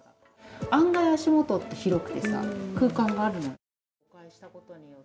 案外、足元って広くてさ空間があるのよ。